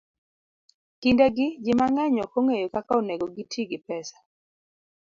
Kindegi, ji mang'eny ok ong'eyo kaka onego giti gi pesa